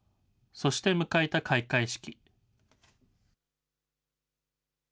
そして迎えた開会式。